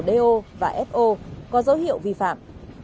do và fo có dấu hiệu vi phạm